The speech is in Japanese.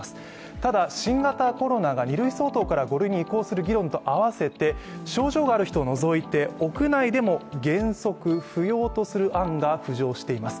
ただ新型コロナが２類相当から５類相当に移行する議論と合わせて症状がある人を除いて、屋内でも原則不要とする案が浮上しています。